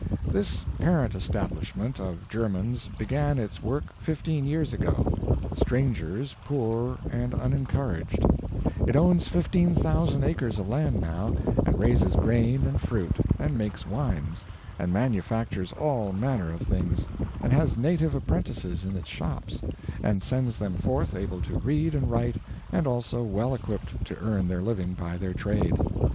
This parent establishment of Germans began its work fifteen years ago, strangers, poor, and unencouraged; it owns 15,000 acres of land now, and raises grain and fruit, and makes wines, and manufactures all manner of things, and has native apprentices in its shops, and sends them forth able to read and write, and also well equipped to earn their living by their trades.